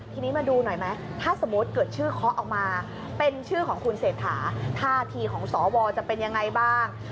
ทีนี้มาดูหน่อยไหมถ้าสมมติเกิดชื่อเคาะออกมาเป็นชื่อของคุณเศรษฐาท่าทีของสวจะเป็นยังไงบ้าง